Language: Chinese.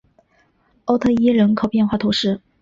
欧特伊人口变化图示